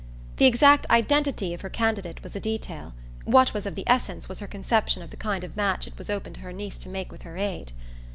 The exact identity of her candidate was a detail; what was of the essence was her conception of the kind of match it was open to her niece to make with her aid.